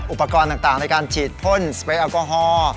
อุปกรณ์ต่างในการฉีดพ่นสเปรแอลกอฮอล์